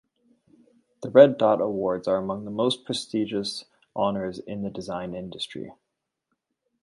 The Red Dot awards are among the most prestigious honors in the design industry.